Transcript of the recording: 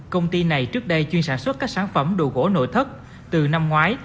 công ty này trước đây chuyên sản xuất các sản phẩm đồ gỗ nội thất từ năm ngoái